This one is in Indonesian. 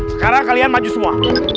sekarang kalian maju semua